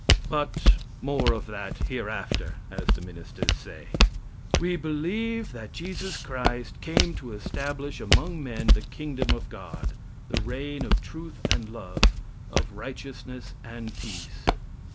But "more of that hereafter," as the ministers say. "We believe that Jesus Christ came to establish among men the Kingdom of God, the reign of truth and love, of righteousness and peace."